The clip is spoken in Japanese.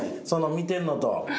見てんのと。